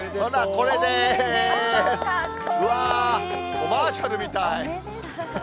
コマーシャルみたい。